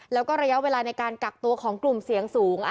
แล้วก็ระยะเวลาในการกักตัวของกลุ่มเสี่ยงสูง